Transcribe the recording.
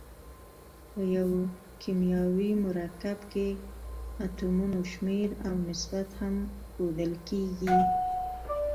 په یو کیمیاوي مرکب کې اتومونو شمیر او نسبت هم ښودل کیږي.